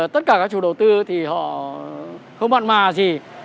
tất cả các chủ đầu tư thì họ không mặn mà gì